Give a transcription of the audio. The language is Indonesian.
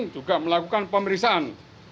juga melakukan pemeriksaan